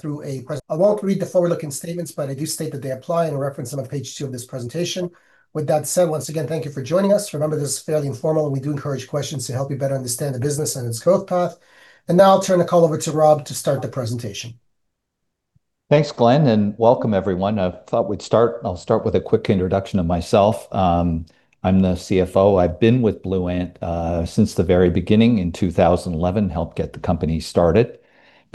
Through a press. I won't read the forward-looking statements, but I do state that they apply and reference them on page two of this presentation. With that said, once again, thank you for joining us. Remember, this is fairly informal, and we do encourage questions to help you better understand the business and its growth path. Now I'll turn the call over to Rob to start the presentation. Thanks, Glenn. Welcome everyone. I thought we'd start, I'll start with a quick introduction of myself. I'm the CFO. I've been with Blue Ant since the very beginning in 2011, helped get the company started.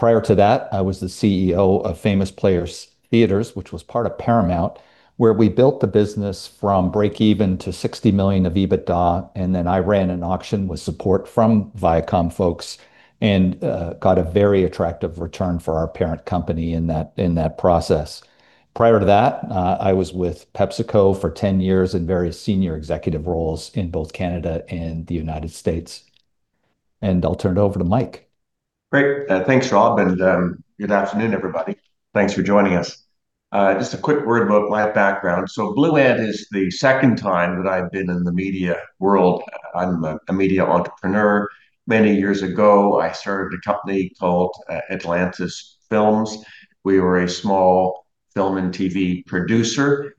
Prior to that, I was the CEO of Famous Players Theatres, which was part of Paramount, where we built the business from break even to 60 million of EBITDA. Then I ran an auction with support from Viacom folks and got a very attractive return for our parent company in that process. Prior to that, I was with PepsiCo for 10 years in various senior executive roles in both Canada and the U.S. Now I'll turn it over to Mike. Great. Thanks, Rob. Good afternoon everybody. Thanks for joining us. Just a quick word about my background. Blue Ant is the second time that I've been in the media world. I'm a media entrepreneur. Many years ago, I started a company called Atlantis Films. We were a small film and TV producer.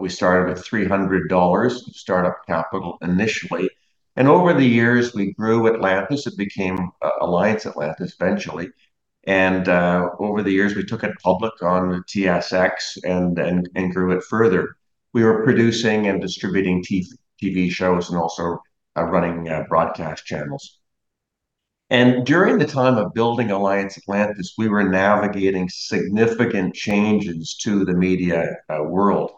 We started with 300 dollars startup capital initially. Over the years we grew Atlantis. It became Alliance Atlantis eventually. Over the years we took it public on TSX and grew it further. We were producing and distributing TV shows and also running broadcast channels. During the time of building Alliance Atlantis, we were navigating significant changes to the media world.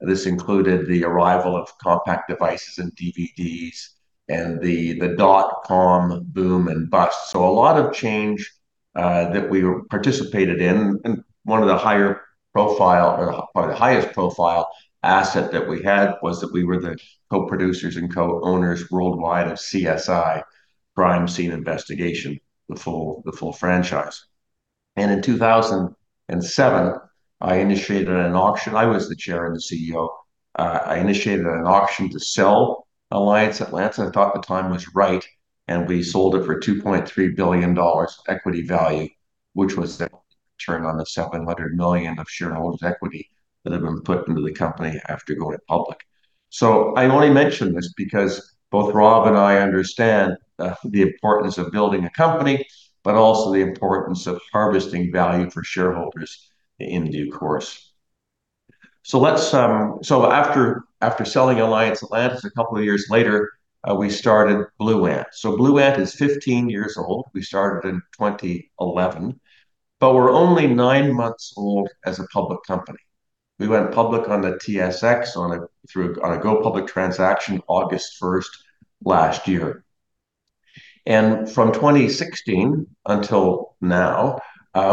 This included the arrival of compact devices and DVDs and the dot-com boom and bust. A lot of change that we participated in. One of the higher profile, or probably the highest profile asset that we had was that we were the co-producers and co-owners worldwide of CSI: Crime Scene Investigation, the full franchise. In 2007, I initiated an auction. I was the chair and the CEO. I initiated an auction to sell Alliance Atlantis. I thought the time was right, and we sold it for 2.3 billion dollars equity value, which was then turned on the 700 million of shareholder equity that had been put into the company after going public. I only mention this because both Rob and I understand the importance of building a company, but also the importance of harvesting value for shareholders in due course. After selling Alliance Atlantis, a couple of years later, we started Blue Ant. Blue Ant is 15 years old. We started in 2011, but we're only nine months old as a public company. We went public on the TSX on a go public transaction August 1st last year. From 2016 until now,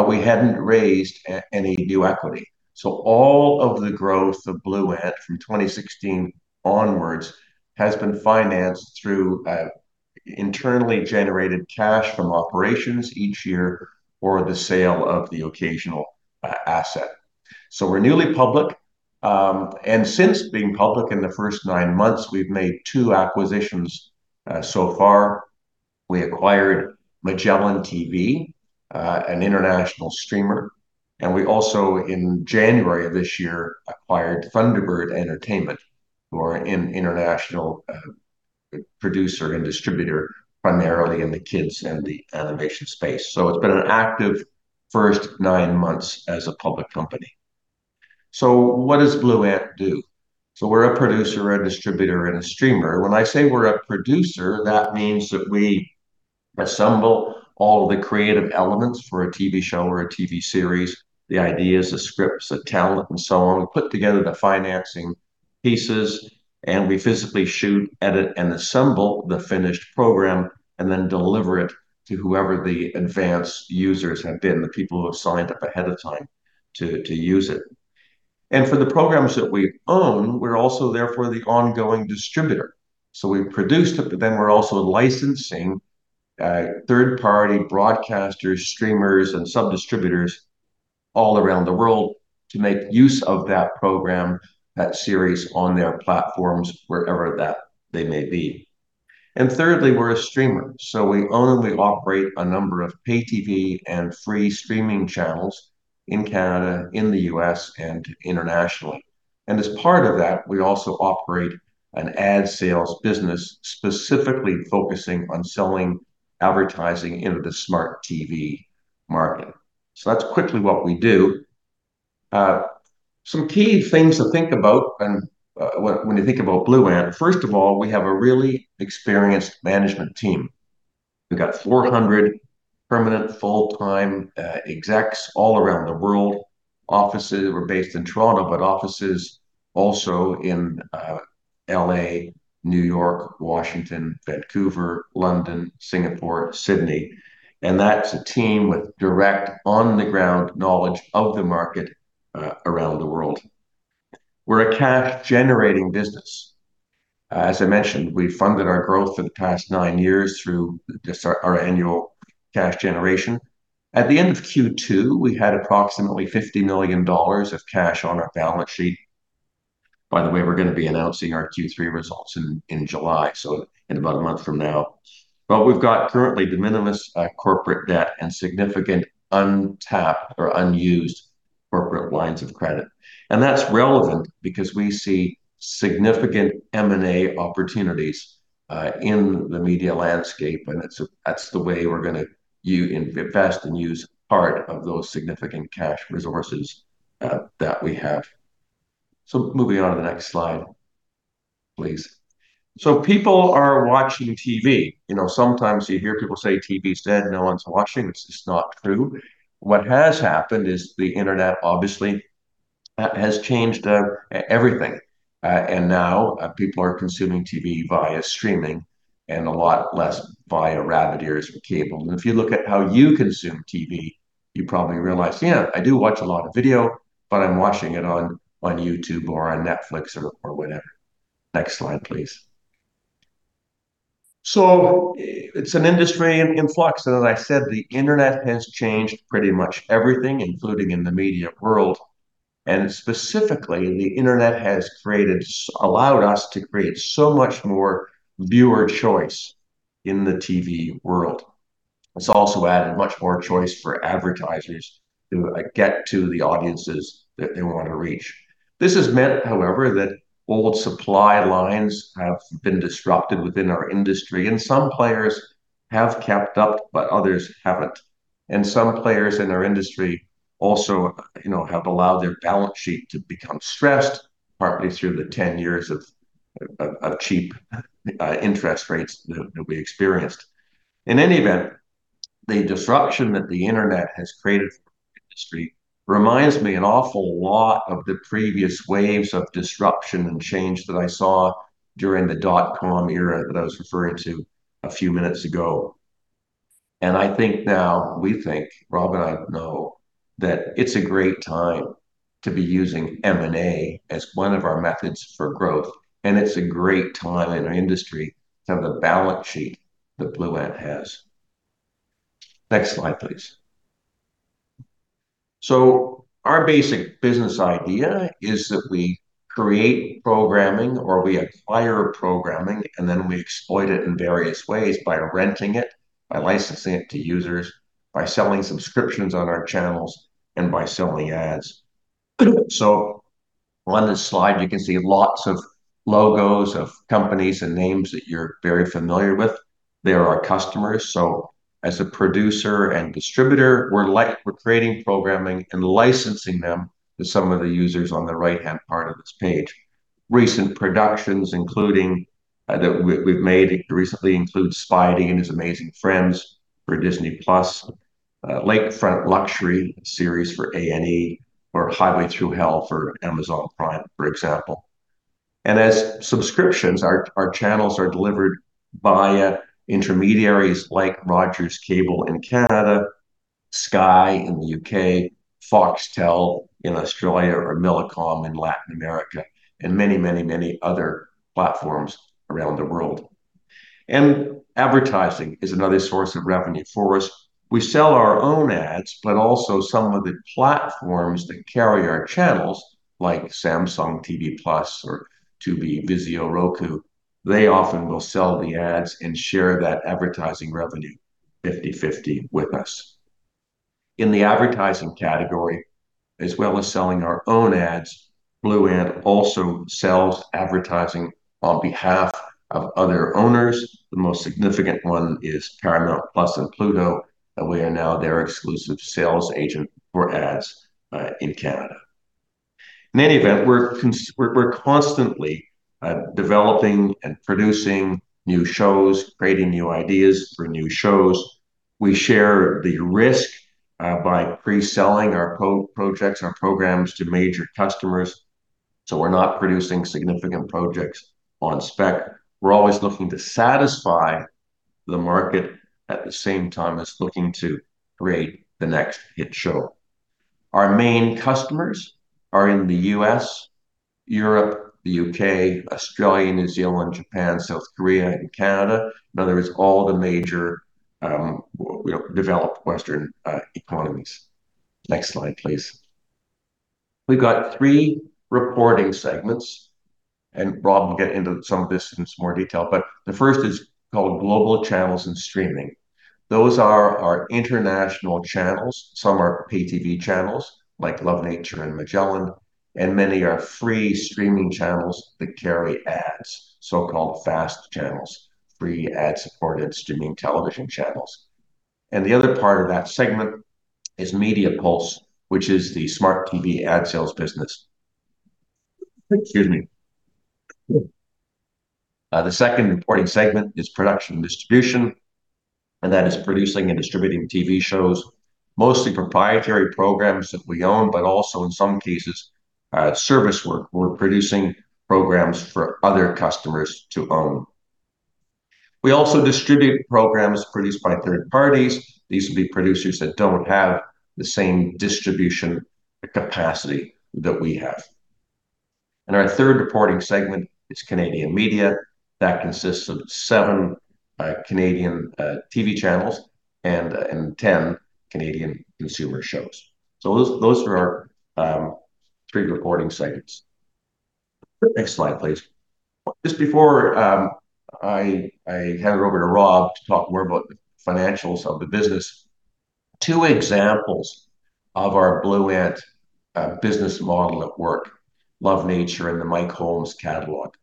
we hadn't raised any new equity. All of the growth of Blue Ant from 2016 onwards has been financed through internally generated cash from operations each year or the sale of the occasional asset. We're newly public, and since being public, in the first nine months, we've made two acquisitions so far. We acquired MagellanTV, an international streamer, and we also, in January of this year, acquired Thunderbird Entertainment, who are an international producer and distributor, primarily in the kids and the animation space. It's been an active first nine months as a public company. What does Blue Ant do? We're a producer, a distributor, and a streamer. When I say we're a producer, that means that we assemble all the creative elements for a TV show or a TV series, the ideas, the scripts, the talent and so on. We put together the financing pieces, and we physically shoot, edit, and assemble the finished program and then deliver it to whoever the advanced users have been, the people who have signed up ahead of time to use it. For the programs that we own, we're also therefore the ongoing distributor. We produced it, but then we're also licensing third-party broadcasters, streamers, and sub-distributors all around the world to make use of that program, that series on their platforms, wherever that they may be. Thirdly, we're a streamer, we own and we operate a number of pay TV and free streaming channels in Canada, in the U.S., and internationally. As part of that, we also operate an ad sales business, specifically focusing on selling advertising into the smart TV market. That's quickly what we do. Some key things to think about and when you think about Blue Ant, first of all, we have a really experienced management team. We've got 400 permanent full-time execs all around the world. Offices, we're based in Toronto, but offices also in L.A., New York, Washington, Vancouver, London, Singapore, Sydney, and that's a team with direct on-the-ground knowledge of the market around the world. We're a cash-generating business. As I mentioned, we funded our growth for the past nine years through just our annual cash generation. At the end of Q2, we had approximately 50 million dollars of cash on our balance sheet. By the way, we're going to be announcing our Q3 results in July, so in about a month from now. We've got currently de minimis corporate debt and significant untapped or unused corporate lines of credit. That's relevant because we see significant M&A opportunities in the media landscape, and that's the way we're going to invest and use part of those significant cash resources that we have. Moving on to the next slide, please. People are watching TV. Sometimes you hear people say, "TV's dead. No one's watching," which is not true. What has happened is the internet obviously has changed everything. Now, people are consuming TV via streaming and a lot less via rabbit ears or cable. If you look at how you consume TV, you probably realize, "Yeah, I do watch a lot of video, but I'm watching it on YouTube or on Netflix or whatever." Next slide, please. It's an industry in flux, as I said, the internet has changed pretty much everything, including in the media world. Specifically, the internet has allowed us to create so much more viewer choice in the TV world. It's also added much more choice for advertisers to get to the audiences that they want to reach. This has meant, however, that old supply lines have been disrupted within our industry, some players have kept up, but others haven't. Some players in our industry also have allowed their balance sheet to become stressed, partly through the 10 years of cheap interest rates that we experienced. In any event, the disruption that the internet has created for our industry reminds me an awful lot of the previous waves of disruption and change that I saw during the dot com era that I was referring to a few minutes ago. I think now, we think, Rob and I know, that it's a great time to be using M&A as one of our methods for growth, it's a great time in our industry to have the balance sheet that Blue Ant has. Next slide, please. Our basic business idea is that we create programming or we acquire programming, then we exploit it in various ways by renting it, by licensing it to users, by selling subscriptions on our channels, and by selling ads. On this slide, you can see lots of logos of companies and names that you're very familiar with. They're our customers. As a producer and distributor, we're creating programming and licensing them to some of the users on the right-hand part of this page. Recent productions that we've made recently include "Spidey and His Amazing Friends" for Disney+, "Lakefront Luxury" series for A&E, or "Highway Thru Hell" for Amazon Prime, for example. As subscriptions, our channels are delivered via intermediaries like Rogers Cable in Canada, Sky in the U.K., Foxtel in Australia, Millicom in Latin America, many other platforms around the world. Advertising is another source of revenue for us. We sell our own ads, but also some of the platforms that carry our channels, like Samsung TV Plus or Tubi, Vizio, Roku, they often will sell the ads and share that advertising revenue 50/50 with us. In the advertising category, as well as selling our own ads, Blue Ant also sells advertising on behalf of other owners. The most significant one is Paramount+ and Pluto, we are now their exclusive sales agent for ads in Canada. In any event, we're constantly developing and producing new shows, creating new ideas for new shows. We share the risk by pre-selling our projects, our programs to major customers, so we're not producing significant projects on spec. We're always looking to satisfy the market at the same time as looking to create the next hit show. Our main customers are in the U.S., Europe, the U.K., Australia, New Zealand, Japan, South Korea, and Canada. In other words, all the major developed Western economies. Next slide, please. We've got three reporting segments, Rob will get into some of this in some more detail. The first is called Global Channels and Streaming. Those are our international channels. Some are pay-TV channels, like Love Nature and MagellanTV, and many are free streaming channels that carry ads, so-called FAST channels, free ad-supported streaming television channels. The other part of that segment is MediaPulse, which is the smart TV ad sales business. Excuse me. The second reporting segment is Production and Distribution, that is producing and distributing TV shows, mostly proprietary programs that we own, but also in some cases, service work. We're producing programs for other customers to own. We also distribute programs produced by third parties. These will be producers that don't have the same distribution capacity that we have. Our third reporting segment is Canadian Media. That consists of seven Canadian TV channels and 10 Canadian consumer shows. Those are our three reporting segments. Next slide, please. Just before I hand it over to Rob to talk more about the financials of the business, two examples of our Blue Ant business model at work, Love Nature and the Mike Holmes catalog.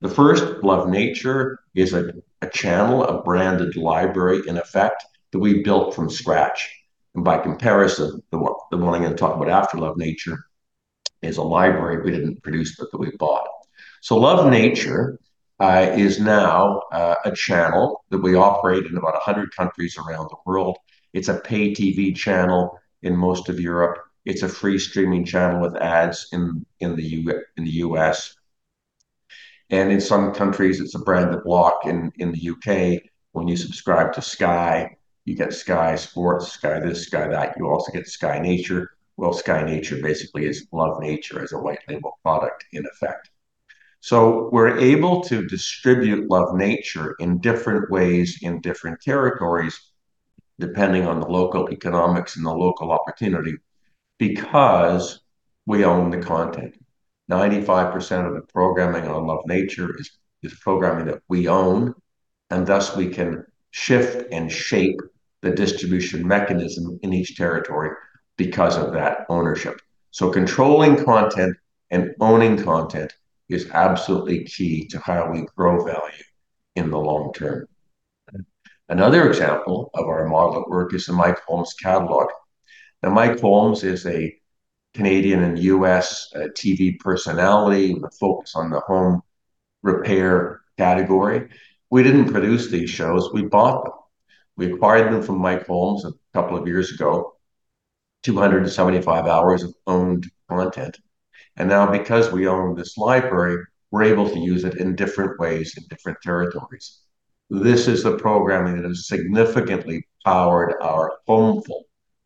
The first, Love Nature, is a channel, a branded library in effect, that we built from scratch. By comparison, the one I'm going to talk about after Love Nature is a library we didn't produce, but that we bought. Love Nature is now a channel that we operate in about 100 countries around the world. It's a pay TV channel in most of Europe. It's a free streaming channel with ads in the U.S., and in some countries, it's a branded block in the U.K. When you subscribe to Sky, you get Sky Sports, Sky this, Sky that, you also get Sky Nature. Sky Nature basically is Love Nature as a white label product in effect. We're able to distribute Love Nature in different ways in different territories, depending on the local economics and the local opportunity, because we own the content. 95% of the programming on Love Nature is programming that we own, thus we can shift and shape the distribution mechanism in each territory because of that ownership. Controlling content and owning content is absolutely key to how we grow value in the long term. Another example of our model at work is the Mike Holmes catalog. Mike Holmes is a Canadian and U.S. TV personality with a focus on the home repair category. We didn't produce these shows. We bought them. We acquired them from Mike Holmes a couple of years ago, 275 hours of owned content. Now because we own this library, we're able to use it in different ways in different territories. This is the programming that has significantly powered our Homeful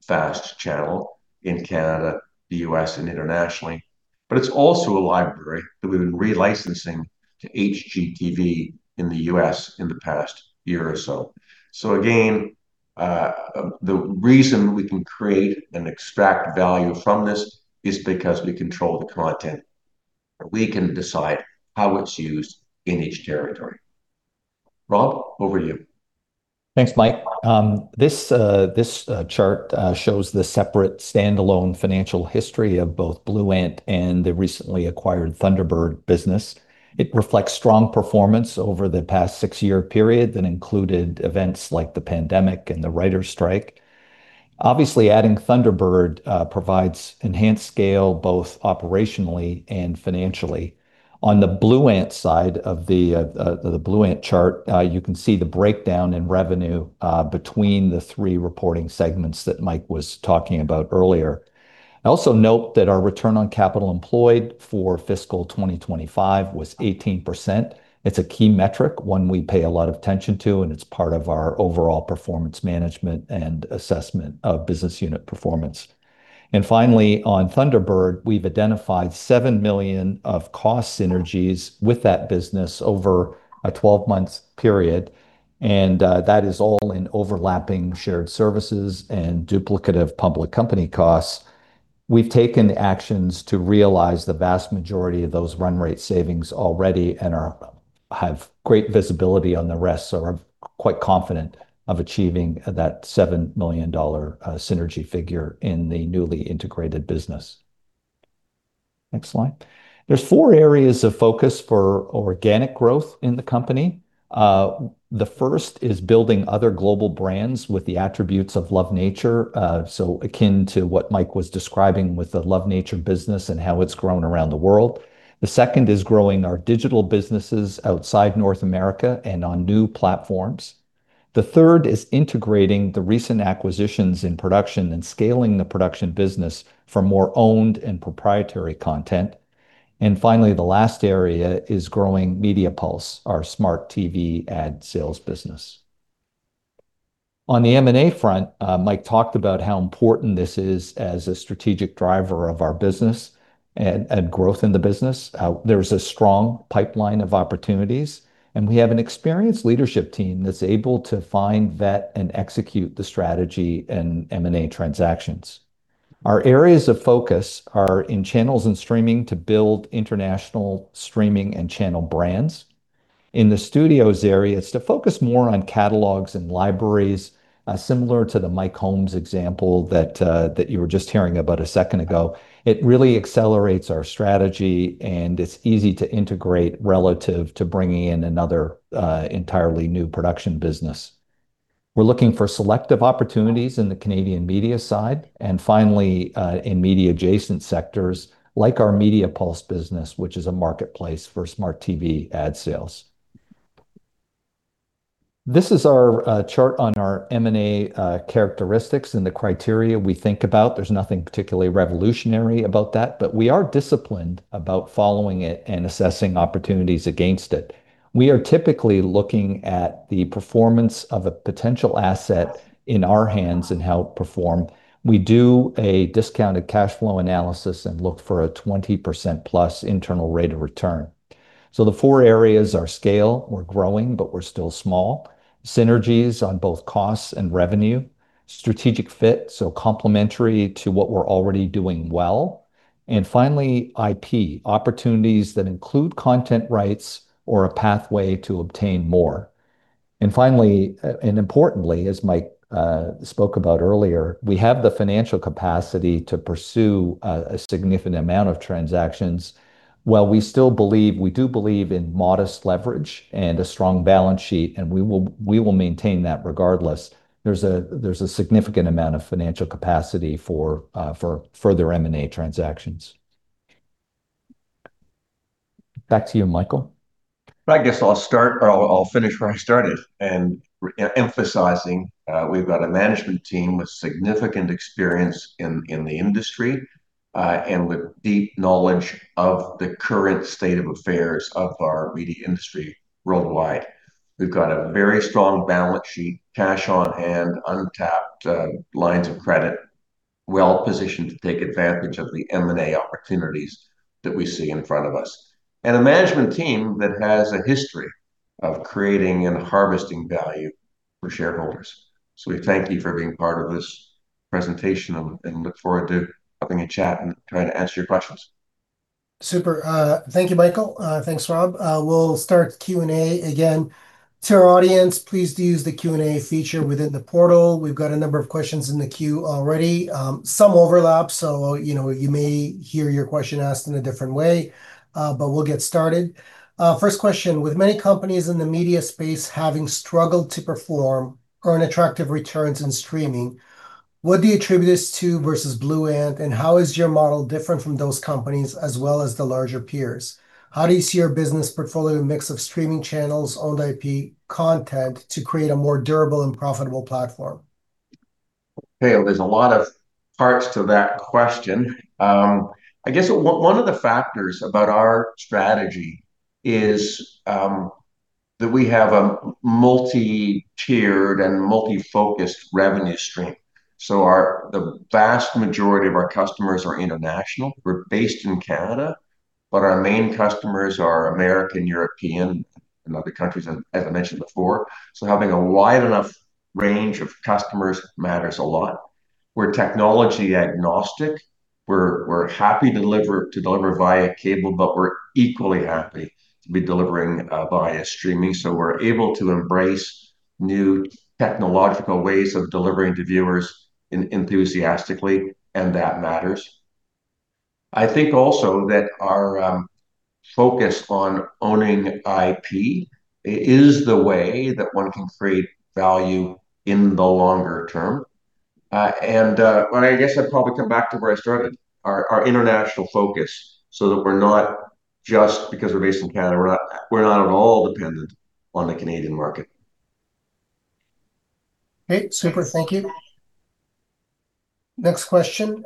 FAST channel in Canada, the U.S., and internationally. It's also a library that we've been re-licensing to HGTV in the U.S. in the past year or so. Again, the reason we can create and extract value from this is because we control the content, and we can decide how it's used in each territory. Rob, over to you. Thanks, Mike. This chart shows the separate standalone financial history of both Blue Ant and the recently acquired Thunderbird business. It reflects strong performance over the past six-year period that included events like the pandemic and the writers' strike. Obviously, adding Thunderbird provides enhanced scale both operationally and financially. On the Blue Ant side of the Blue Ant chart, you can see the breakdown in revenue between the three reporting segments that Mike was talking about earlier. I also note that our return on capital employed for fiscal 2025 was 18%. It's a key metric, one we pay a lot of attention to, and it's part of our overall performance management and assessment of business unit performance. Finally, on Thunderbird, we've identified 7 million of cost synergies with that business over a 12 months period, and that is all in overlapping shared services and duplicative public company costs. We've taken actions to realize the vast majority of those run rate savings already and have great visibility on the rest, so are quite confident of achieving that 7 million dollar synergy figure in the newly integrated business. Next slide. There's four areas of focus for organic growth in the company. The first is building other global brands with the attributes of Love Nature, so akin to what Mike was describing with the Love Nature business and how it's grown around the world. The second is growing our digital businesses outside North America and on new platforms. The third is integrating the recent acquisitions in production and scaling the production business for more owned and proprietary content. Finally, the last area is growing MediaPulse, our smart TV ad sales business. On the M&A front, Mike talked about how important this is as a strategic driver of our business and growth in the business. There's a strong pipeline of opportunities. We have an experienced leadership team that's able to find, vet, and execute the strategy and M&A transactions. Our areas of focus are in channels and streaming to build international streaming and channel brands. In the studios area, it's to focus more on catalogs and libraries, similar to the Mike Holmes example that you were just hearing about a second ago. It really accelerates our strategy. It's easy to integrate relative to bringing in another entirely new production business. We're looking for selective opportunities in the Canadian media side. Finally, in media adjacent sectors like our MediaPulse business, which is a marketplace for smart TV ad sales. This is ourchart on our M&A characteristics and the criteria we think about. There's nothing particularly revolutionary about that. We are disciplined about following it and assessing opportunities against it. We are typically looking at the performance of a potential asset in our hands and how it performed. We do a discounted cash flow analysis and look for a 20% plus internal rate of return. The four areas are scale, we're growing, but we're still small. Synergies on both costs and revenue, strategic fit, so complementary to what we're already doing well. Finally, IP, opportunities that include content rights or a pathway to obtain more. Finally, and importantly, as Mike spoke about earlier, we have the financial capacity to pursue a significant amount of transactions. While we still believe, we do believe in modest leverage and a strong balance sheet, we will maintain that regardless. There's a significant amount of financial capacity for further M&A transactions. Back to you, Michael. I guess I'll start or I'll finish where I started. Emphasizing, we've got a management team with significant experience in the industry, and with deep knowledge of the current state of affairs of our media industry worldwide. We've got a very strong balance sheet, cash on hand, untapped lines of credit, well-positioned to take advantage of the M&A opportunities that we see in front of us. A management team that has a history of creating and harvesting value for shareholders. We thank you for being part of this presentation and look forward to having a chat and trying to answer your questions. Super. Thank you, Michael. Thanks, Rob. We'll start Q&A. Again, to our audience, please do use the Q&A feature within the portal. We've got a number of questions in the queue already. Some overlap, so you may hear your question asked in a different way, but we'll get started. First question, with many companies in the media space having struggled to perform, earn attractive returns in streaming, what do you attribute this to versus Blue Ant, and how is your model different from those companies as well as the larger peers? How do you see your business portfolio mix of streaming channels, owned IP content to create a more durable and profitable platform? Okay. Well, there's a lot of parts to that question. I guess one of the factors about our strategy is that we have a multi-tiered and multi-focused revenue stream. The vast majority of our customers are international. We're based in Canada, but our main customers are American, European, and other countries, as I mentioned before. Having a wide enough range of customers matters a lot. We're technology agnostic. We're happy to deliver via cable, but we're equally happy to be delivering via streaming. We're able to embrace new technological ways of delivering to viewers enthusiastically, and that matters. I think also that our focus on owning IP is the way that one can create value in the longer term. I guess I'd probably come back to where I started, our international focus, so that we're not just because we're based in Canada, we're not at all dependent on the Canadian market. Okay, super. Thank you. Next question.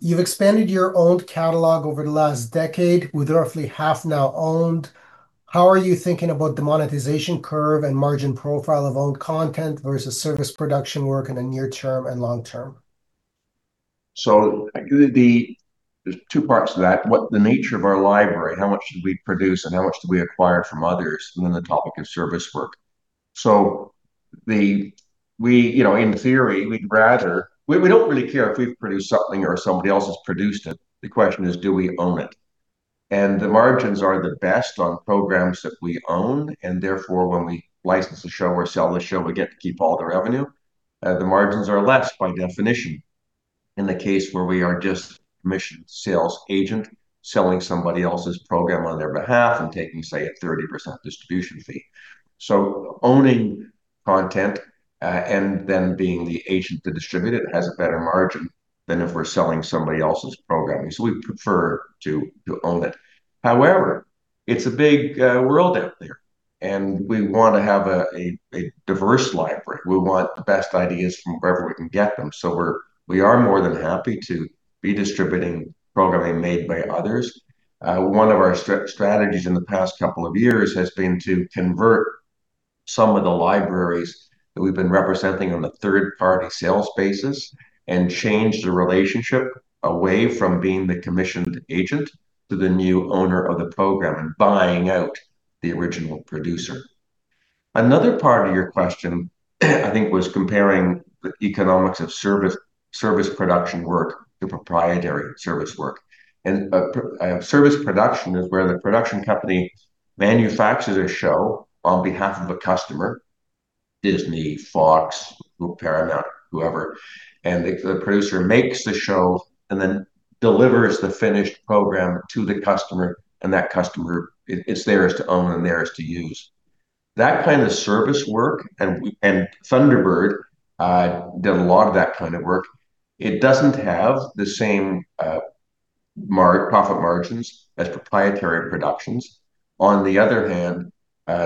You've expanded your owned catalog over the last decade, with roughly half now owned. How are you thinking about the monetization curve and margin profile of owned content versus service production work in the near term and long term? There's two parts to that. What the nature of our library, how much do we produce and how much do we acquire from others, and then the topic of service work. In theory, we don't really care if we've produced something or somebody else has produced it. The question is, do we own it? The margins are the best on programs that we own, and therefore, when we license a show or sell the show, we get to keep all the revenue. The margins are less by definition in the case where we are just commissioned sales agent selling somebody else's program on their behalf and taking, say, a 30% distribution fee. Owning content, and then being the agent to distribute it has a better margin than if we're selling somebody else's programming, so we'd prefer to own it. However, it's a big world out there, and we want to have a diverse library. We want the best ideas from wherever we can get them, so we are more than happy to be distributing programming made by others. One of our strategies in the past couple of years has been to convert some of the libraries that we've been representing on a third-party sales basis and change the relationship away from being the commissioned agent to the new owner of the program and buying out the original producer. Another part of your question, I think, was comparing the economics of service production work to proprietary service work. Service production is where the production company manufactures a show on behalf of a customer, Disney, Fox, Paramount, whoever, and the producer makes the show and then delivers the finished program to the customer, and that customer, it's theirs to own and theirs to use. That kind of service work, and Thunderbird did a lot of that kind of work, it doesn't have the same profit margins as proprietary productions. On the other hand,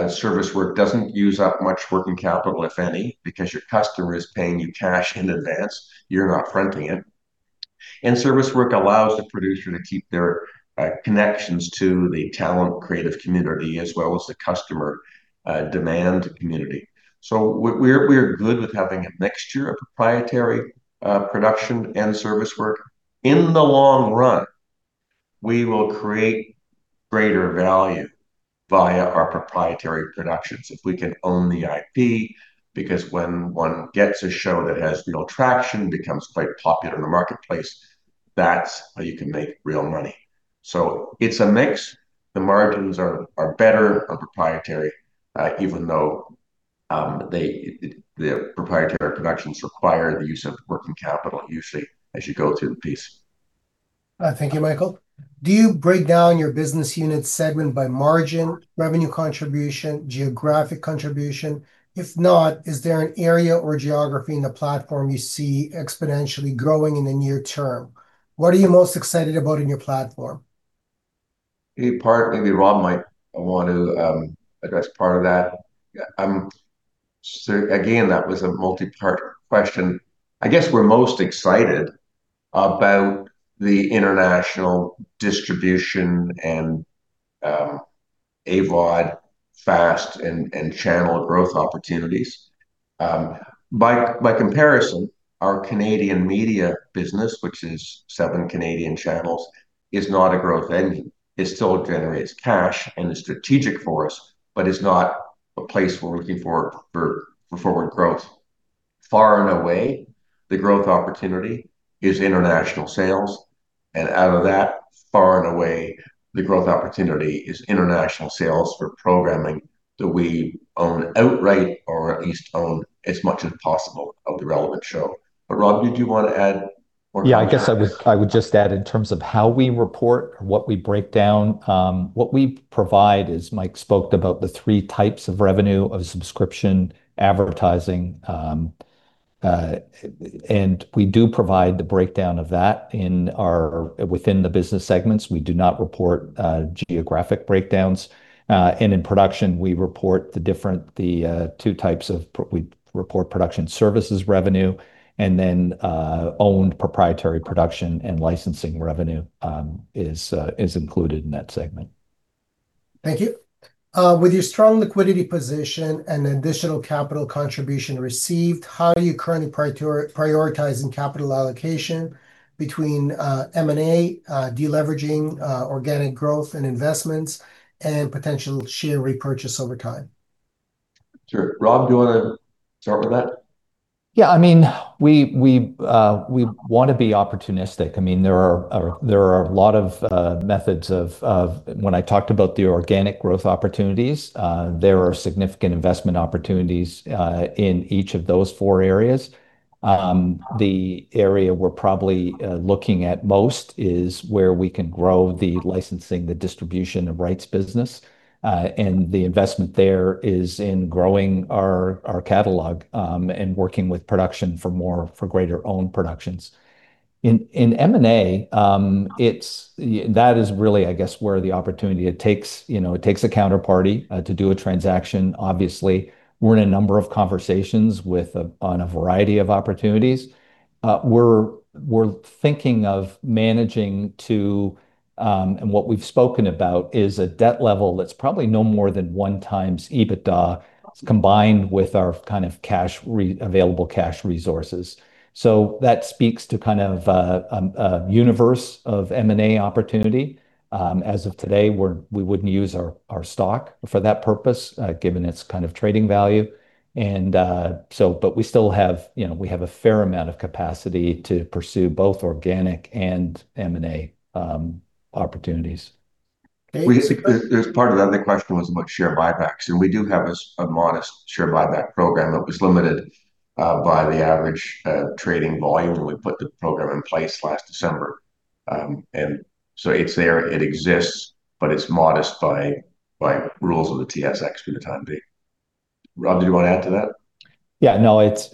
service work doesn't use up much working capital, if any, because your customer is paying you cash in advance, you're not fronting it. Service work allows the producer to keep their connections to the talent creative community as well as the customer demand community. We're good with having a mixture of proprietary production and service work. In the long run, we will create greater value via our proprietary productions if we can own the IP, because when one gets a show that has real traction, becomes quite popular in the marketplace, that's how you can make real money. It's a mix. The margins are better on proprietary, even though the proprietary productions require the use of working capital usually as you go through the piece. Thank you, Michael. Do you break down your business unit segment by margin, revenue contribution, geographic contribution? If not, is there an area or geography in the platform you see exponentially growing in the near term? What are you most excited about in your platform? In part, maybe Rob might want to address part of that. Again, that was a multi-part question. I guess we're most excited about the international distribution and AVOD FAST and channel growth opportunities. By comparison, our Canadian media business, which is seven Canadian channels, is not a growth engine. It still generates cash and is strategic for us, but is not a place we're looking for forward growth. Far and away, the growth opportunity is international sales, and out of that, far and away, the growth opportunity is international sales for programming that we own outright or at least own as much as possible of the relevant show. Rob, did you want to add more context? Yeah, I guess I would just add in terms of how we report or what we break down, what we provide, as Mike spoke about the 3 types of revenue, of subscription, advertising, and we do provide the breakdown of that within the business segments. We do not report geographic breakdowns. In production, we report production services revenue and owned proprietary production and licensing revenue is included in that segment. Thank you. With your strong liquidity position and additional capital contribution received, how are you currently prioritizing capital allocation between M&A, deleveraging, organic growth and investments, and potential share repurchase over time? Sure. Rob, do you want to start with that? Yeah, we want to be opportunistic. There are a lot of methods. When I talked about the organic growth opportunities, there are significant investment opportunities in each of those four areas. The area we're probably looking at most is where we can grow the licensing, the distribution, and rights business. The investment there is in growing our catalog and working with production for more, for greater owned productions. In M&A, that is really, I guess, where the opportunity. It takes a counterparty to do a transaction, obviously. We're in a number of conversations on a variety of opportunities. We're thinking of managing to, and what we've spoken about, is a debt level that's probably no more than one times EBITDA combined with our available cash resources. That speaks to kind of a universe of M&A opportunity. As of today, we wouldn't use our stock for that purpose, given its kind of trading value. We still have a fair amount of capacity to pursue both organic and M&A opportunities. Thank you. Part of the other question was about share buybacks. We do have a modest share buyback program that was limited by the average trading volume when we put the program in place last December. It's there, it exists, but it's modest by rules of the TSX for the time being. Rob, did you want to add to that? Yeah. No, it's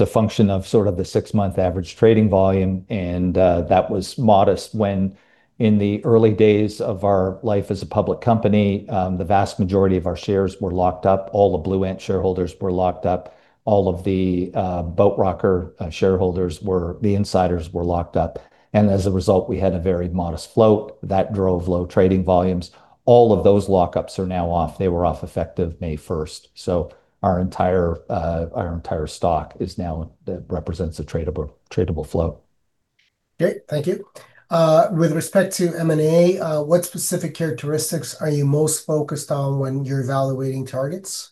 a function of sort of the six-month average trading volume, and that was modest when in the early days of our life as a public company, the vast majority of our shares were locked up. All the Blue Ant shareholders were locked up. All of the Boat Rocker shareholders, the insiders were locked up. As a result, we had a very modest float that drove low trading volumes. All of those lockups are now off. They were off effective May 1st. Our entire stock now represents a tradable flow. Great. Thank you. With respect to M&A, what specific characteristics are you most focused on when you're evaluating targets?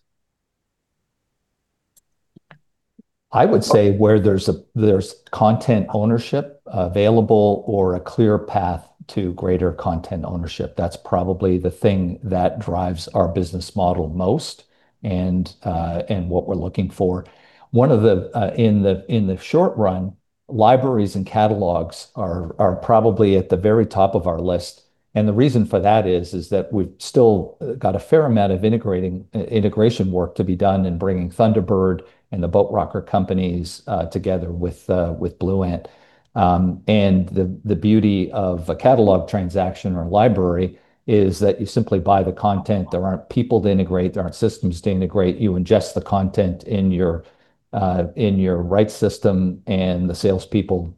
I would say where there's content ownership available or a clear path to greater content ownership, that's probably the thing that drives our business model most and what we're looking for. In the short run, libraries and catalogs are probably at the very top of our list, and the reason for that is that we've still got a fair amount of integration work to be done in bringing Thunderbird and the Boat Rocker companies together with Blue Ant. The beauty of a catalog transaction or library is that you simply buy the content. There aren't people to integrate, there aren't systems to integrate. You ingest the content in your rights system, the salespeople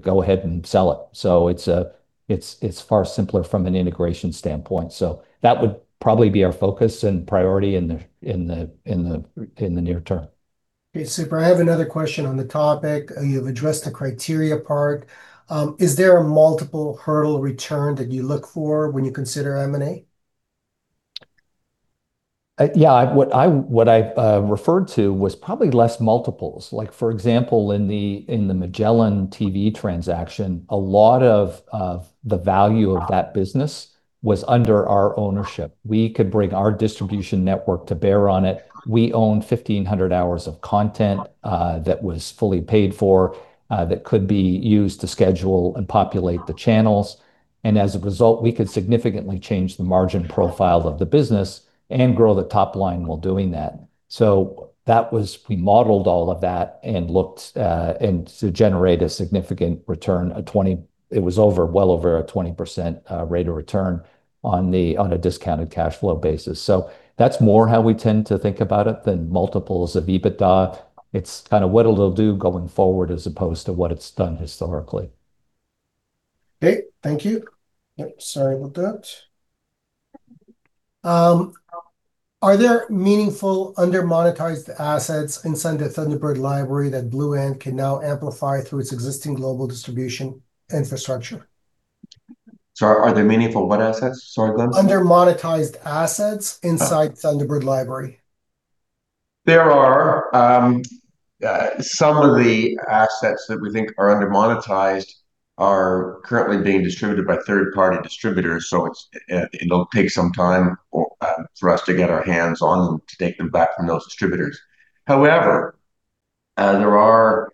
go ahead and sell it. It's far simpler from an integration standpoint. That would probably be our focus and priority in the near term. Okay, super. I have another question on the topic. You've addressed the criteria part. Is there a multiple hurdle return that you look for when you consider M&A? Yeah. What I referred to was probably less multiples. For example, in the MagellanTV transaction, a lot of the value of that business was under our ownership. We could bring our distribution network to bear on it. We own 1,500 hours of content that was fully paid for, that could be used to schedule and populate the channels. As a result, we could significantly change the margin profile of the business and grow the top line while doing that. We modeled all of that and looked to generate a significant return. It was well over a 20% rate of return on a discounted cash flow basis. That's more how we tend to think about it than multiples of EBITDA. It's what it'll do going forward as opposed to what it's done historically. Okay. Thank you. Sorry about that. Are there meaningful under-monetized assets inside the Thunderbird library that Blue Ant can now amplify through its existing global distribution infrastructure? Sorry, are there meaningful what assets? Sorry, Glenn. Under-monetized assets inside Thunderbird library. There are some of the assets that we think are under-monetized are currently being distributed by third-party distributors, so it'll take some time for us to get our hands on them to take them back from those distributors. However, there are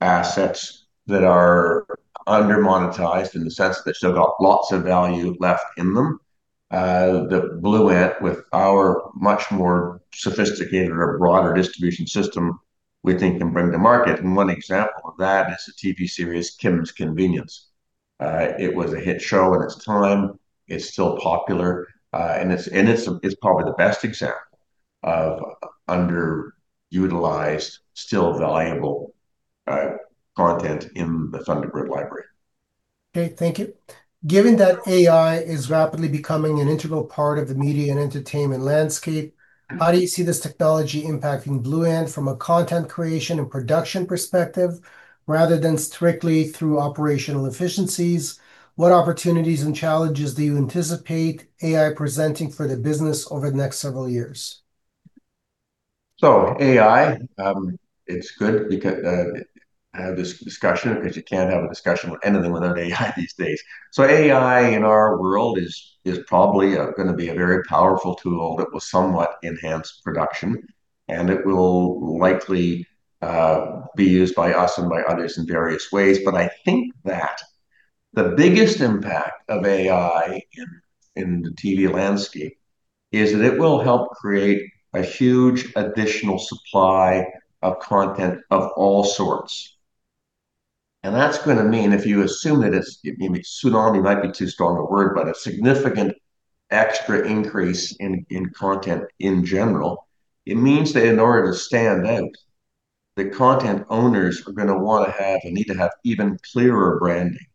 assets that are under-monetized in the sense that they've still got lots of value left in them, that Blue Ant, with our much more sophisticated or broader distribution system, we think can bring to market. One example of that is the TV series, "Kim's Convenience." It was a hit show in its time. It's still popular. It's probably the best example of underutilized, still valuable content in the Thunderbird library. Okay. Thank you. Given that AI is rapidly becoming an integral part of the media and entertainment landscape, how do you see this technology impacting Blue Ant from a content creation and production perspective rather than strictly through operational efficiencies? What opportunities and challenges do you anticipate AI presenting for the business over the next several years? AI, it's good to have this discussion because you can't have a discussion with anything without AI these days. AI in our world is probably going to be a very powerful tool that will somewhat enhance production, and it will likely be used by us and by others in various ways. I think that the biggest impact of AI in the TV landscape is that it will help create a huge additional supply of content of all sorts. That's going to mean, if you assume that a, tsunami might be too strong a word, but a significant extra increase in content in general, it means that in order to stand out, the content owners are going to want to have, and need to have even clearer branding,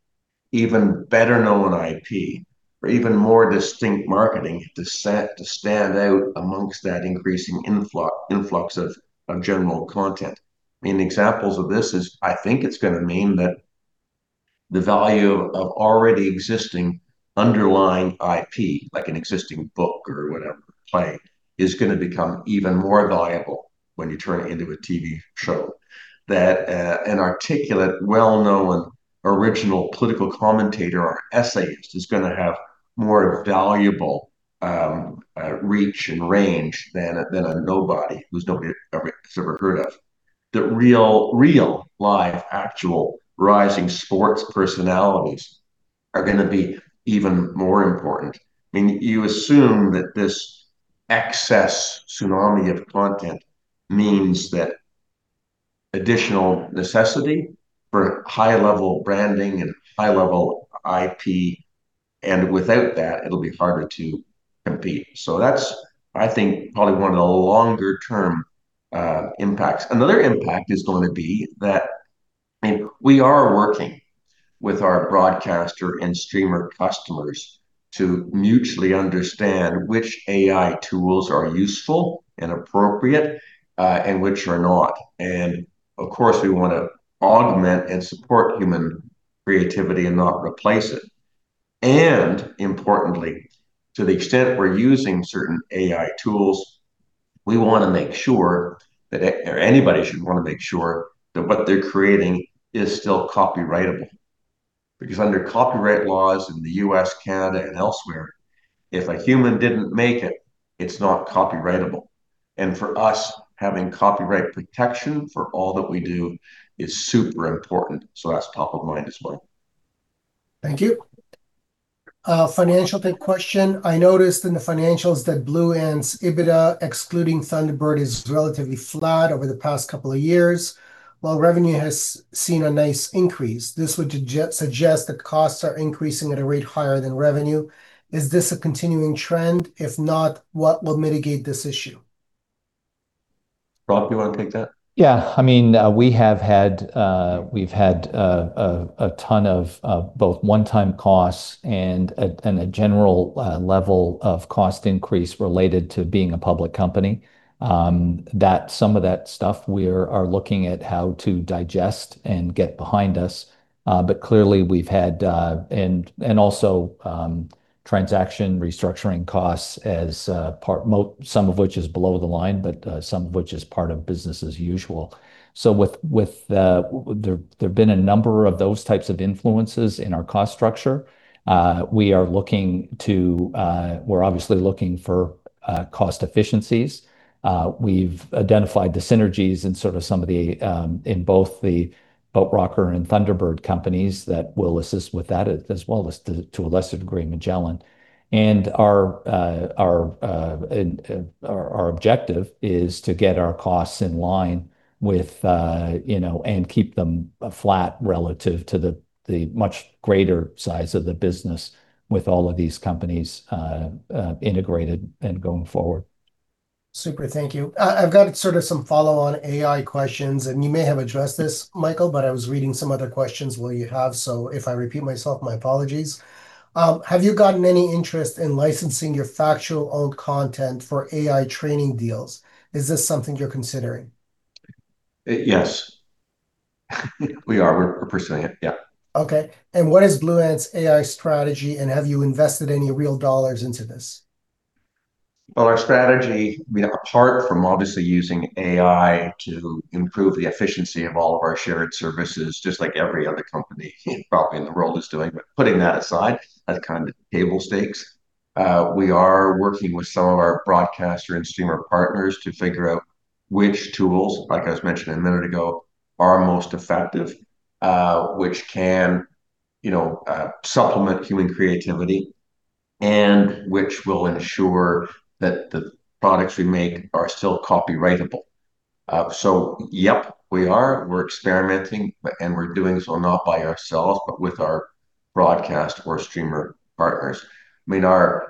even better known IP, or even more distinct marketing to stand out amongst that increasing influx of general content. Examples of this is, I think it's going to mean that the value of already existing underlying IP, like an existing book or whatever, play, is going to become even more valuable when you turn it into a TV show. That an articulate, well-known original political commentator or essayist is going to have more valuable reach and range than a nobody who's nobody's ever heard of. That real live, actual rising sports personalities are going to be even more important. You assume that this excess tsunami of content means that additional necessity for high-level branding and high-level IP, and without that, it'll be harder to compete. That's, I think, probably one of the longer-term impacts. Another impact is going to be that we are working with our broadcaster and streamer customers to mutually understand which AI tools are useful and appropriate, and which are not. Of course, we want to augment and support human creativity and not replace it. Importantly, to the extent we're using certain AI tools, we want to make sure that, or anybody should want to make sure that what they're creating is still copyrightable. Because under copyright laws in the U.S., Canada, and elsewhere, if a human didn't make it's not copyrightable. For us, having copyright protection for all that we do is super important. That's top of mind as well. Thank you. A financial question. I noticed in the financials that Blue Ant's EBITDA, excluding Thunderbird, is relatively flat over the past couple of years, while revenue has seen a nice increase. This would suggest that costs are increasing at a rate higher than revenue. Is this a continuing trend? If not, what will mitigate this issue? Robb, you want to take that? Yeah. We've had a ton of both one-time costs and a general level of cost increase related to being a public company. Some of that stuff we are looking at how to digest and get behind us, and also transaction restructuring costs, some of which is below the line, but some of which is part of business as usual. There have been a number of those types of influences in our cost structure. We're obviously looking for cost efficiencies. We've identified the synergies in both the Boat Rocker and Thunderbird companies that will assist with that, as well as to a lesser degree, Magellan. Our objective is to get our costs in line and keep them flat relative to the much greater size of the business with all of these companies integrated and going forward. Super. Thank you. I've got sort of some follow on AI questions. You may have addressed this, Michael, but I was reading some other questions while you have. If I repeat myself, my apologies. Have you gotten any interest in licensing your factual owned content for AI training deals? Is this something you're considering? Yes. We are. We're pursuing it. Yeah. Okay. What is Blue Ant's AI strategy? Have you invested any real CAD into this? Well, our strategy, apart from obviously using AI to improve the efficiency of all of our shared services, just like every other company probably in the world is doing. Putting that aside as kind of table stakes, we are working with some of our broadcaster and streamer partners to figure out which tools, like I was mentioning a minute ago, are most effective, which can supplement human creativity and which will ensure that the products we make are still copyrightable. Yep, we are. We're experimenting. We're doing so not by ourselves, with our broadcast or streamer partners. We're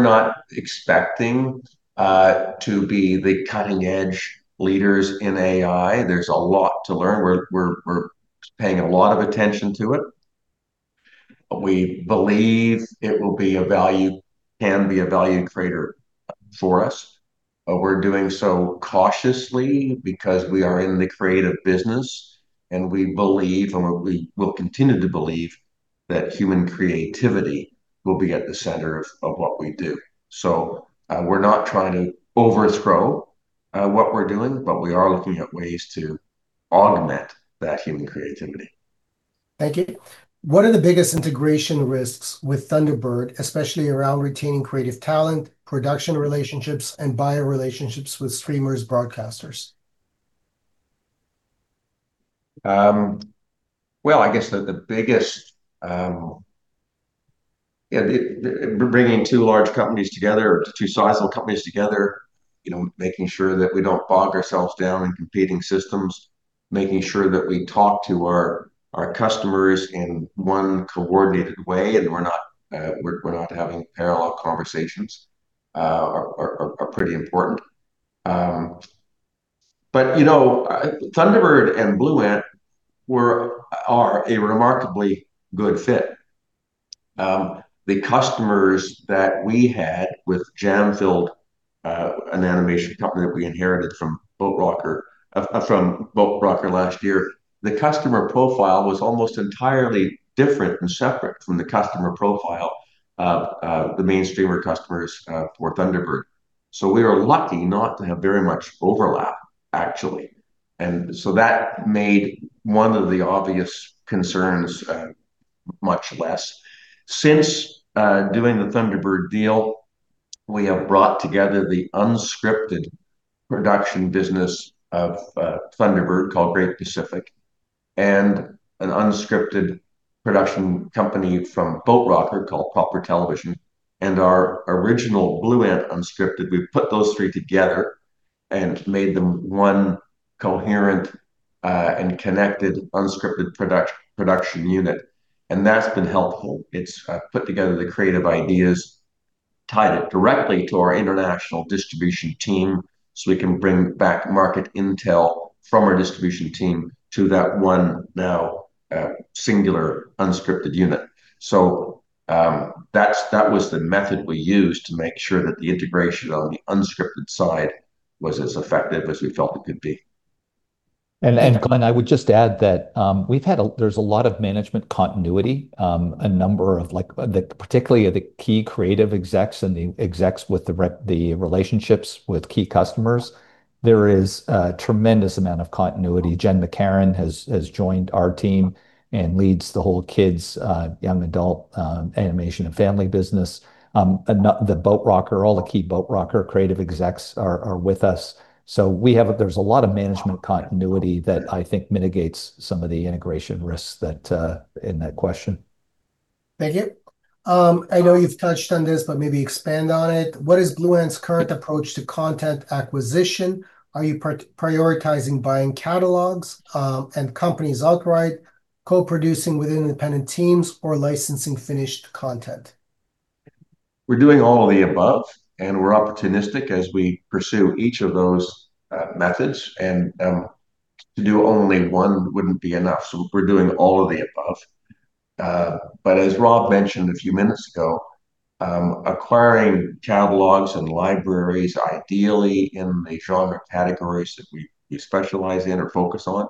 not expecting to be the cutting edge leaders in AI. There's a lot to learn. We're paying a lot of attention to it. We believe it can be a value creator for us. We're doing so cautiously because we are in the creative business, and we believe, and we will continue to believe, that human creativity will be at the center of what we do. We're not trying to overthrow what we're doing, but we are looking at ways to augment that human creativity. Thank you. What are the biggest integration risks with Thunderbird, especially around retaining creative talent, production relationships, and buyer relationships with streamers/broadcasters? Well, I guess bringing two large companies together or two sizable companies together, making sure that we don't bog ourselves down in competing systems, making sure that we talk to our customers in one coordinated way and we're not having parallel conversations are pretty important. Thunderbird and Blue Ant are a remarkably good fit. The customers that we had with Jam Filled, an animation company that we inherited from Boat Rocker last year, the customer profile was almost entirely different and separate from the customer profile of the mainstreamer customers for Thunderbird. We are lucky not to have very much overlap, actually, and so that made one of the obvious concerns much less. Since doing the Thunderbird deal, we have brought together the unscripted production business of Thunderbird, called Great Pacific, and an unscripted production company from Boat Rocker called Proper Television, and our original Blue Ant unscripted, we put those three together and made them one coherent and connected unscripted production unit, and that's been helpful. It's put together the creative ideas, tied it directly to our international distribution team so we can bring back market intel from our distribution team to that one now singular unscripted unit. That was the method we used to make sure that the integration on the unscripted side was as effective as we felt it could be. Glenn, I would just add that there's a lot of management continuity, particularly the key creative execs and the execs with the relationships with key customers. There is a tremendous amount of continuity. Jen McCarron has joined our team and leads the whole kids, young adult animation and family business. All the key Boat Rocker creative execs are with us. There's a lot of management continuity that I think mitigates some of the integration risks in that question. Thank you. I know you've touched on this, but maybe expand on it. What is Blue Ant's current approach to content acquisition? Are you prioritizing buying catalogs and companies outright, co-producing with independent teams, or licensing finished content? We're doing all of the above, we're opportunistic as we pursue each of those methods. To do only one wouldn't be enough, we're doing all of the above. As Rob mentioned a few minutes ago, acquiring catalogs and libraries, ideally in the genre categories that we specialize in or focus on,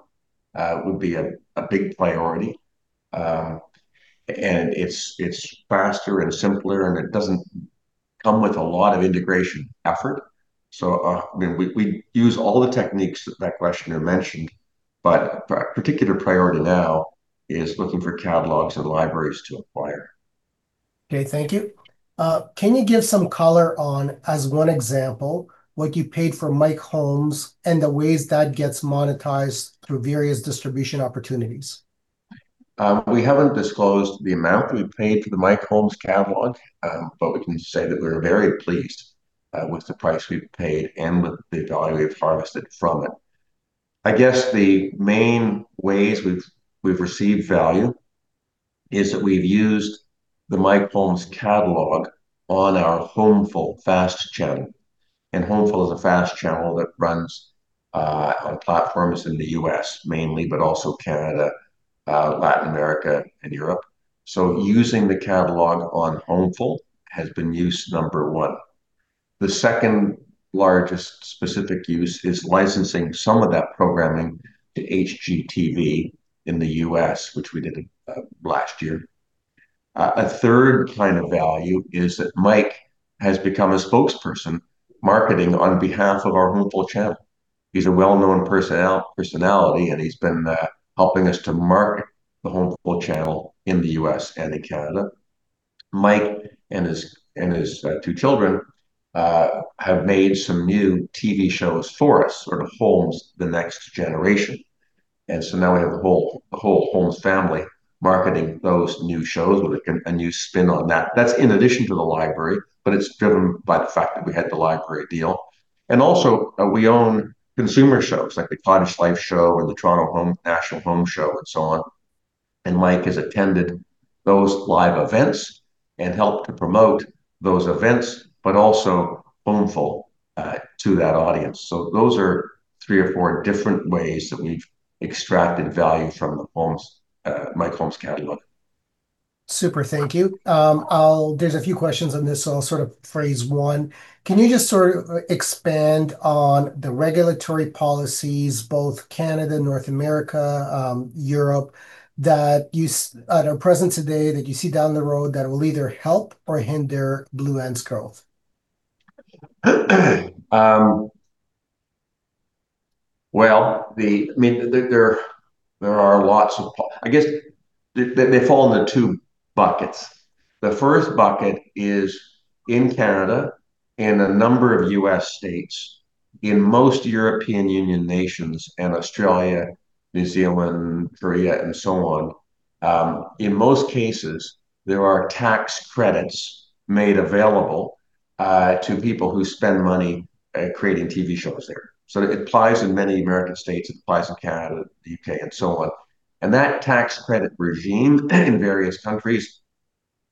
would be a big priority. It's faster and simpler, and it doesn't come with a lot of integration effort. We use all the techniques that that questioner mentioned, but a particular priority now is looking for catalogs and libraries to acquire. Okay, thank you. Can you give some color on, as one example, what you paid for Mike Holmes and the ways that gets monetized through various distribution opportunities? We haven't disclosed the amount we paid for the Mike Holmes catalog, but we can say that we're very pleased with the price we paid and with the value we've harvested from it. I guess the main ways we've received value is that we've used the Mike Holmes catalog on our Homeful FAST channel. Homeful is a FAST channel that runs on platforms in the U.S. mainly, but also Canada, Latin America, and Europe. Using the catalog on Homeful has been use number one. The second-largest specific use is licensing some of that programming to HGTV in the U.S., which we did last year. A third kind of value is that Mike has become a spokesperson, marketing on behalf of our Homeful channel. He's a well-known personality, and he's been helping us to market the Homeful channel in the U.S. and in Canada. Mike and his two children have made some new TV shows for us, sort of Holmes the Next Generation. Now we have the whole Holmes family marketing those new shows with a new spin on that. That's in addition to the library, but it's driven by the fact that we had the library deal. Also, we own consumer shows like the Cottage Life show and the Toronto National Home Show and so on, and Mike has attended those live events and helped to promote those events, but also Homeful to that audience. Those are three or four different ways that we've extracted value from Mike Holmes' catalog. Super. Thank you. There's a few questions on this, I'll sort of phrase one. Can you just sort of expand on the regulatory policies, both Canada, North America, Europe, that are present today, that you see down the road that will either help or hinder Blue Ant's growth? Well, they fall into two buckets. The first bucket is in Canada and a number of U.S. states, in most European Union nations and Australia, New Zealand, Korea, and so on. In most cases, there are tax credits made available to people who spend money creating TV shows there. It applies in many American states, it applies in Canada, the U.K., and so on. That tax credit regime in various countries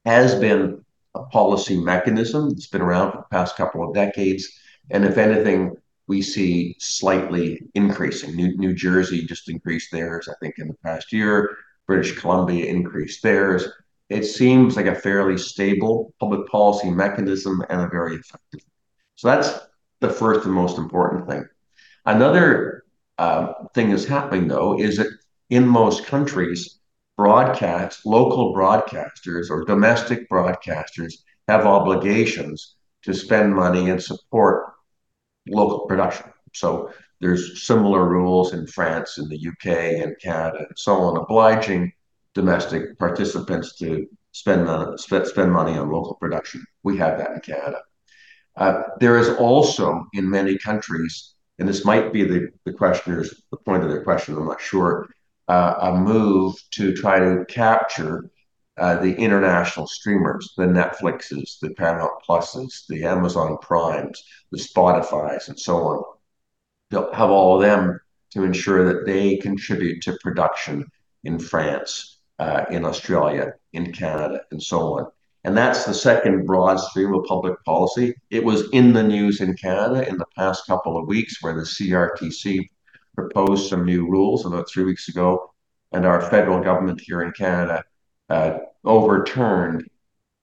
has been a policy mechanism that's been around for the past couple of decades, and if anything, we see slightly increasing. New Jersey just increased theirs, I think, in the past year. British Columbia increased theirs. It seems like a fairly stable public policy mechanism and a very effective one. That's the first and most important thing. Another thing is happening, though, is that in most countries, local broadcasters or domestic broadcasters have obligations to spend money and support local production. There's similar rules in France, in the U.K., and Canada, and so on, obliging domestic participants to spend money on local production. We have that in Canada. There is also, in many countries, and this might be the point of their question, I'm not sure, a move to try to capture the international streamers, the Netflixes, the Paramount Pluses, the Amazon Primes, the Spotifys, and so on. They'll have all of them to ensure that they contribute to production in France, in Australia, in Canada, and so on. That's the second broad stream of public policy. It was in the news in Canada in the past couple of weeks, where the CRTC proposed some new rules about 3 weeks ago, and our federal government here in Canada overturned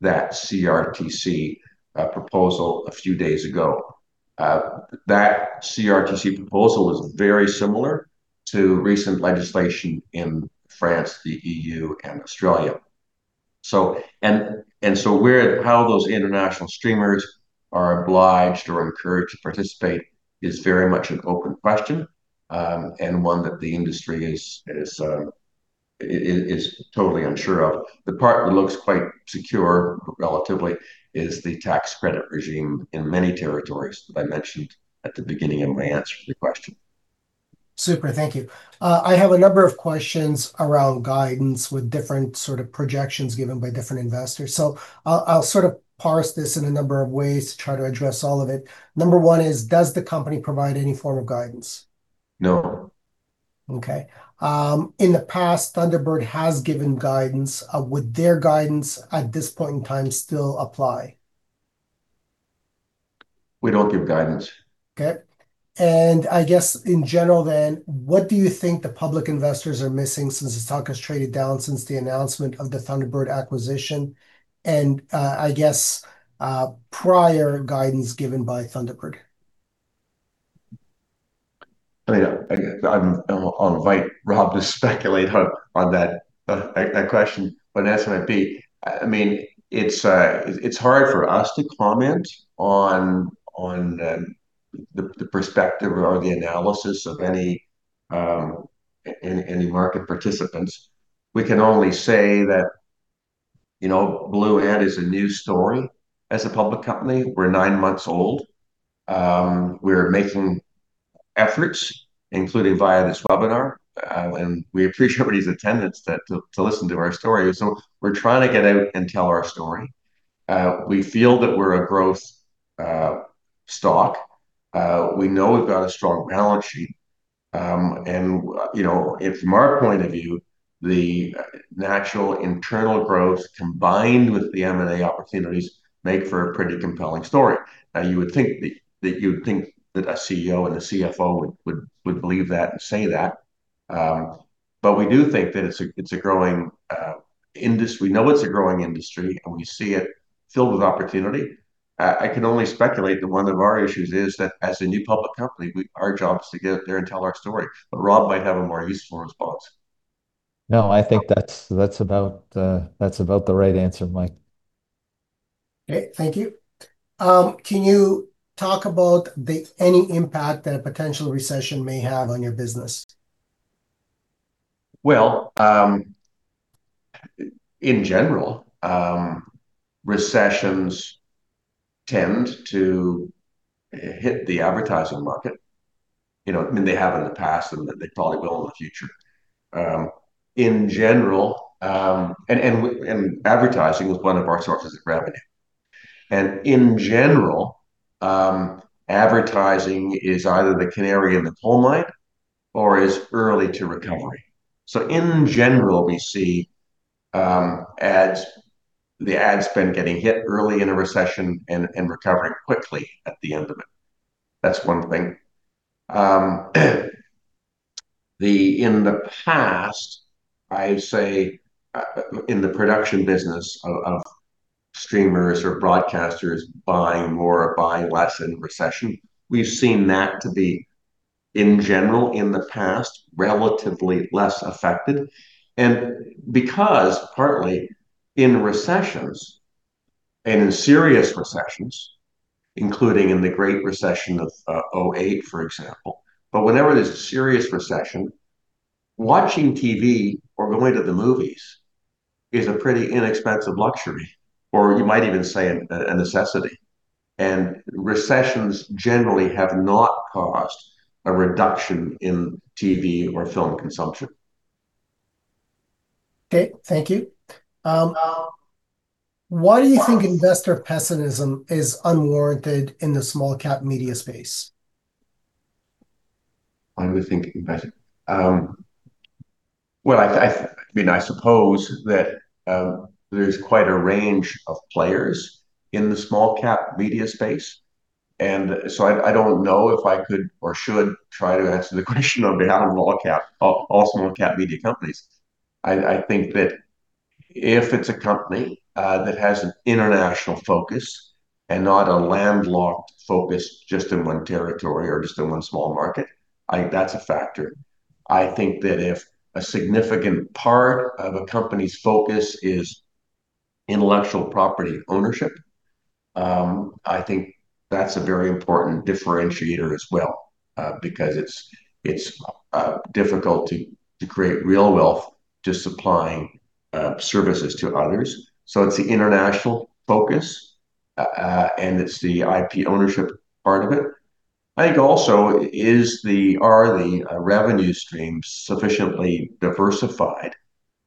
that CRTC proposal a few days ago. That CRTC proposal is very similar to recent legislation in France, the E.U., and Australia. How those international streamers are obliged or encouraged to participate is very much an open question, and one that the industry is totally unsure of. The part that looks quite secure, relatively, is the tax credit regime in many territories that I mentioned at the beginning of my answer to the question. Super. Thank you. I have a number of questions around guidance with different sort of projections given by different investors. I'll sort of parse this in a number of ways to try to address all of it. Number 1 is, does the company provide any form of guidance? No Okay. In the past, Thunderbird has given guidance. Would their guidance at this point in time still apply? We don't give guidance. Okay. I guess in general then, what do you think the public investors are missing since the stock has traded down since the announcement of the Thunderbird acquisition, and I guess, prior guidance given by Thunderbird? I'll invite Rob to speculate on that question, but answer might be It's hard for us to comment on the perspective or the analysis of any market participants. We can only say that Blue Ant is a new story as a public company. We're nine months old. We're making efforts, including via this webinar, we appreciate everybody's attendance to listen to our story. We're trying to get out and tell our story. We feel that we're a growth stock. We know we've got a strong balance sheet. From our point of view, the natural internal growth combined with the M&A opportunities make for a pretty compelling story. You would think that a CEO and a CFO would believe that and say that, but we do think that it's a growing industry. We know it's a growing industry, we see it filled with opportunity. I can only speculate that one of our issues is that as a new public company, our job is to get out there and tell our story. Rob might have a more useful response. No, I think that's about the right answer, Mike. Okay. Thank you. Can you talk about any impact that a potential recession may have on your business? Well, in general, recessions tend to hit the advertising market. They have in the past, and they probably will in the future. Advertising was one of our sources of revenue. In general, advertising is either the canary in the coal mine or is early to recovery. In general, we see the ad spend getting hit early in a recession and recovering quickly at the end of it. That's one thing. In the past, I'd say, in the production business of streamers or broadcasters buying more or buying less in recession, we've seen that to be, in general, in the past, relatively less affected. Because partly in recessions, and in serious recessions, including in the great recession of 2008, for example. Whenever there's a serious recession, watching TV or going to the movies is a pretty inexpensive luxury, or you might even say a necessity, and recessions generally have not caused a reduction in TV or film consumption. Okay. Thank you. Why do you think investor pessimism is unwarranted in the small cap media space? Why do we think there's quite a range of players in the small cap media space, I don't know if I could or should try to answer the question about all small cap media companies. I think that if it's a company that has an international focus and not a landlocked focus just in one territory or just in one small market, I think that's a factor. I think that if a significant part of a company's focus is intellectual property ownership, I think that's a very important differentiator as well, because it's difficult to create real wealth just supplying services to others. It's the international focus, and it's the IP ownership part of it. I think also, are the revenue streams sufficiently diversified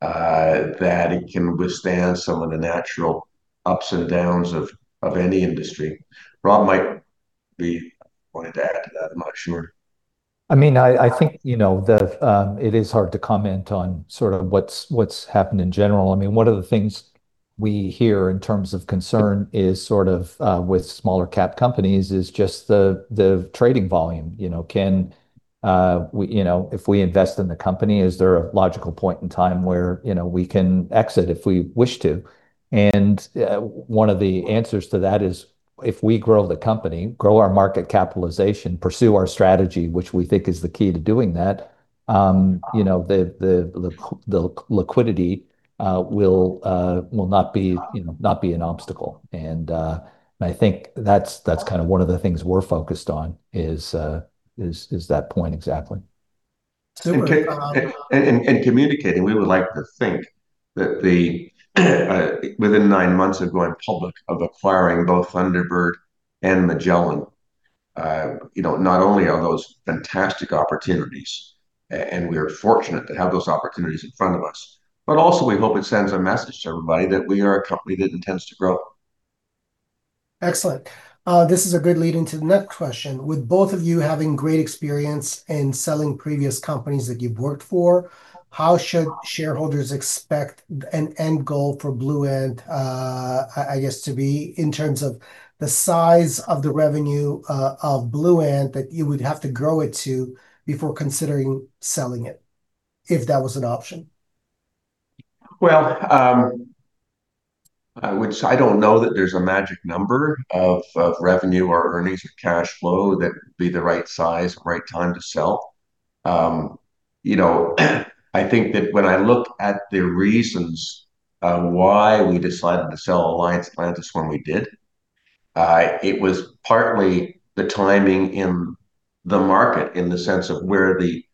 that it can withstand some of the natural ups and downs of any industry. Robb might want to add to that, I'm not sure. I think that it is hard to comment on sort of what's happened in general. One of the things we hear in terms of concern is sort of with smaller cap companies is just the trading volume. If we invest in the company, is there a logical point in time where we can exit if we wish to? One of the answers to that is, if we grow the company, grow our market capitalization, pursue our strategy, which we think is the key to doing that, the liquidity will not be an obstacle. I think that's kind of one of the things we're focused on, is that point exactly. Super. We would like to think that within nine months of going public, of acquiring both Thunderbird and MagellanTV, not only are those fantastic opportunities, and we're fortunate to have those opportunities in front of us, but also we hope it sends a message to everybody that we are a company that intends to grow. Excellent. This is a good lead into the next question. With both of you having great experience in selling previous companies that you've worked for, how should shareholders expect an end goal for Blue Ant, I guess, to be, in terms of the size of the revenue of Blue Ant that you would have to grow it to before considering selling it, if that was an option? Well, which I don't know that there's a magic number of revenue or earnings or cash flow that would be the right size or right time to sell. I think that when I look at the reasons why we decided to sell Alliance Atlantis when we did, it was partly the timing in the market in the sense of where the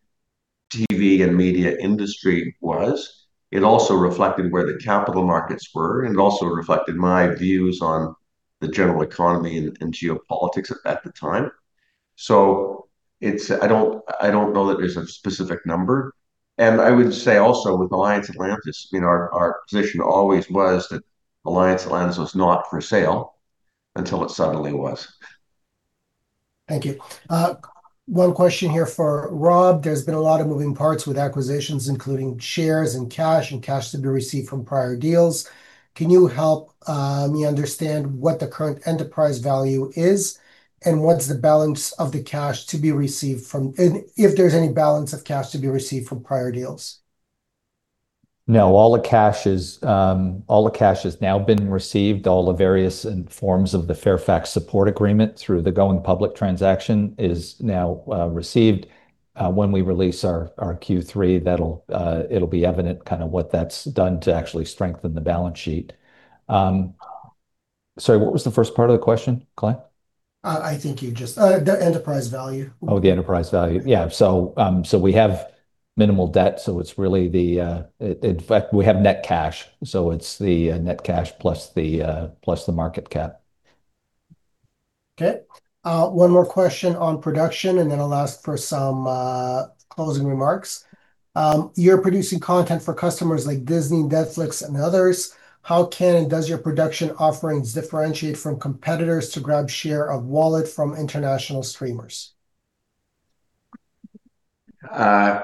TV and media industry was. It also reflected where the capital markets were. It also reflected my views on the general economy and geopolitics at the time. I don't know that there's a specific number. I would say also with Alliance Atlantis, our position always was that Alliance Atlantis was not for sale until it suddenly was. Thank you. One question here for Rob. There's been a lot of moving parts with acquisitions, including shares and cash, and cash to be received from prior deals. Can you help me understand what the current enterprise value is and what's the balance of the cash to be received from if there's any balance of cash to be received from prior deals? No, all the cash has now been received. All the various forms of the Fairfax support agreement through the going public transaction is now received. When we release our Q3, it'll be evident kind of what that's done to actually strengthen the balance sheet. Sorry, what was the first part of the question, Glenn? The enterprise value. The enterprise value. We have minimal debt, In fact, we have net cash. It's the net cash plus the market cap. One more question on production, and then I'll ask for some closing remarks. You're producing content for customers like Disney, Netflix, and others. How can and does your production offerings differentiate from competitors to grab share of wallet from international streamers? I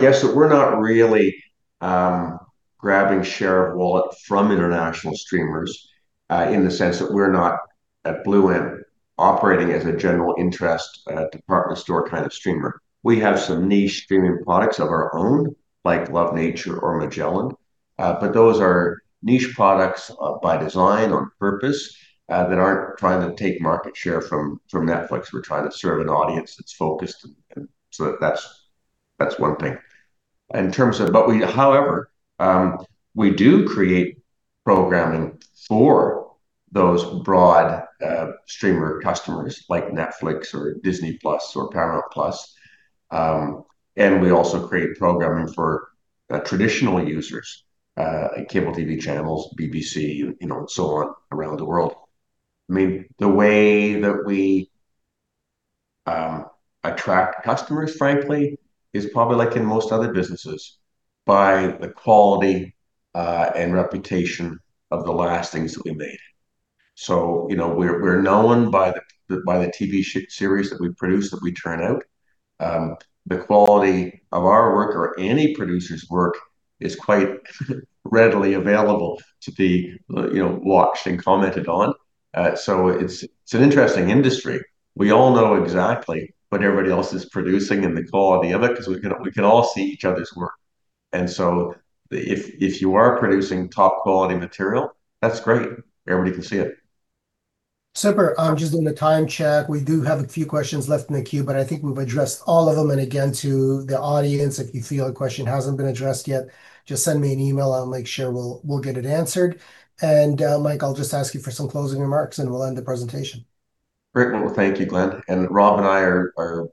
guess that we're not really grabbing share of wallet from international streamers, in the sense that we're not, at Blue Ant, operating as a general interest department store kind of streamer. We have some niche streaming products of our own, like Love Nature or Magellan. Those are niche products by design, on purpose, that aren't trying to take market share from Netflix. We're trying to serve an audience that's focused, that's one thing. However, we do create programming for those broad streamer customers like Netflix or Disney+ or Paramount+. We also create programming for traditional users, cable TV channels, BBC, and so on around the world. The way that we attract customers, frankly, is probably like in most other businesses, by the quality and reputation of the last things that we made. We're known by the TV series that we produce, that we turn out. The quality of our work or any producer's work is quite readily available to be watched and commented on. It's an interesting industry. We all know exactly what everybody else is producing and the quality of it because we can all see each other's work. If you are producing top quality material, that's great. Everybody can see it. Super. Just doing a time check. We do have a few questions left in the queue, but I think we've addressed all of them, and again, to the audience, if you feel a question hasn't been addressed yet, just send me an email. I'll make sure we'll get it answered. Mike, I'll just ask you for some closing remarks, and we'll end the presentation. Great. Thank you, Glenn, and Robb and I are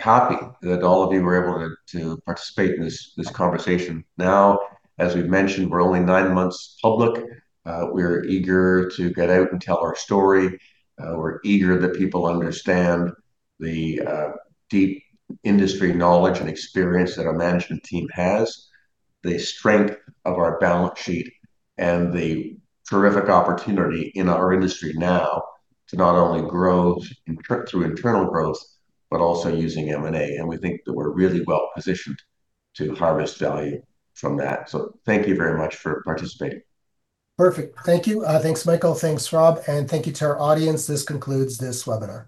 happy that all of you were able to participate in this conversation. As we've mentioned, we're only nine months public. We're eager to get out and tell our story. We're eager that people understand the deep industry knowledge and experience that our management team has, the strength of our balance sheet, and the terrific opportunity in our industry now to not only grow through internal growth, but also using M&A. We think that we're really well-positioned to harvest value from that. Thank you very much for participating. Perfect. Thank you. Thanks, Michael, thanks, Rob, thank you to our audience. This concludes this webinar.